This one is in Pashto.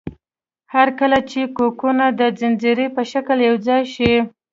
هر کله چې کوکونه د ځنځیر په شکل یوځای شي.